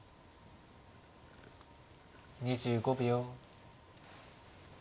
２５秒。